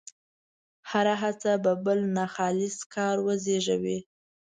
هره هڅه به بل ناخالص کار وزېږوي.